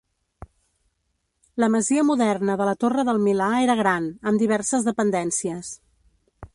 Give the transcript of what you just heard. La masia moderna de la torre del Milà era gran, amb diverses dependències.